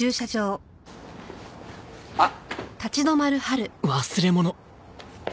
あっ。